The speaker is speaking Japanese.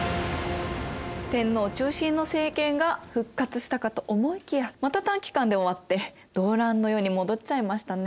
天皇中心の政権が復活したかと思いきやまた短時間で終わって動乱の世に戻っちゃいましたね。